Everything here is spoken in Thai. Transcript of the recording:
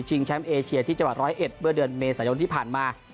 ชิงแชมป์เอเชียที่จังหวัด๑๐๑เมื่อเดือนเมษายนที่ผ่านมา